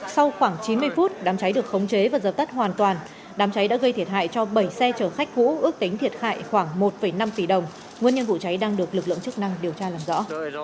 sau khoảng chín mươi phút đám cháy được khống chế và dập tắt hoàn toàn đám cháy đã gây thiệt hại cho bảy xe chở khách cũ ước tính thiệt hại khoảng một năm tỷ đồng nguyên nhân vụ cháy đang được lực lượng chức năng điều tra làm rõ